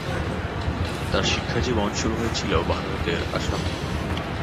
তার শিক্ষাজীবন শুরু হয়েছিলো ভারতের আসামে।